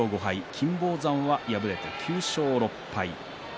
金峰山は敗れて９勝６敗。